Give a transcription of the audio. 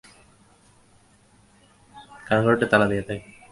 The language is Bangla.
কারণ, ঘরটা তালা দেয়া থাকে।